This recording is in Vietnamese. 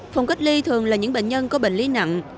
phòng cách ly thường là những bệnh nhân có bệnh lý nặng